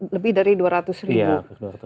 lebih dari dua ratus ribu